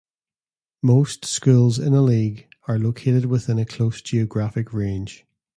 Most schools in a league are located within a close geographic range.